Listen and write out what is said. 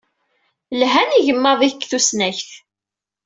Lhan yigmaḍ-ik deg tusnakt.